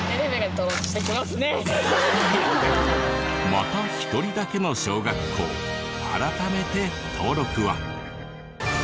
また１人だけの小学校改めて登録は。